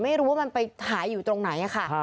ไม่รู้ว่ามันไปหายอยู่ตรงไหนค่ะ